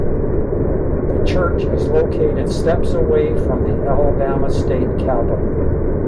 The church is located steps away from the Alabama State Capitol.